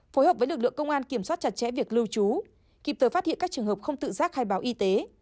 phối hợp với lực lượng công an kiểm soát chặt chẽ việc lưu trú kịp thời phát hiện các trường hợp không tự giác khai báo y tế